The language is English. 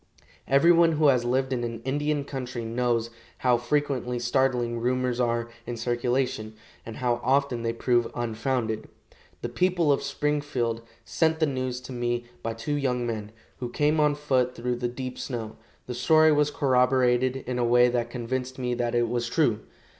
Everyone who has lived in an Indian country knows how frequently startling rumors are in circulation, and how often they prove unfounded. The people of Springfield sent the news to me by two young men, who came on foot through the deep snow. The story was corroborated in a way that convinced me that it was true.